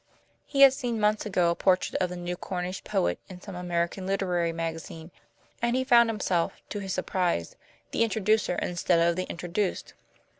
He had seen months ago a portrait of the new Cornish poet in some American literary magazine, and he found himself, to his surprise, the introducer instead of the introduced.